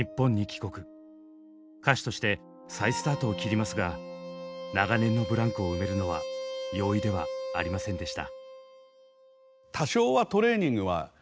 歌手として再スタートを切りますが長年のブランクを埋めるのは容易ではありませんでした。